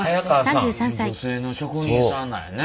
女性の職人さんなんやね。